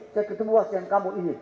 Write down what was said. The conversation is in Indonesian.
saya ketemu was yang kamu ini